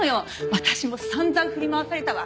私も散々振り回されたわ。